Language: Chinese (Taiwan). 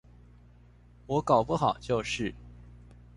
我搞不好就是